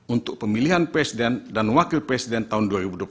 untuk pemilihan presiden dan wakil presiden tahun dua ribu dua puluh empat